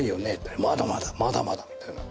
「まだまだまだまだ」みたいな。